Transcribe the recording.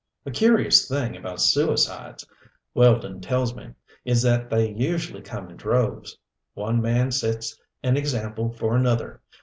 A curious thing about suicides, Weldon tells me, is that they usually come in droves. One man sets an example for another.